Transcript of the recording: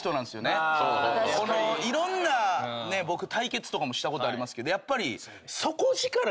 いろんな僕対決とかもしたことありますけど。